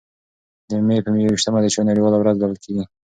د مې یو ویشتمه د چای نړیواله ورځ بلل کېږي.